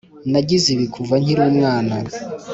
nagize ibi kuva nkiri umwana.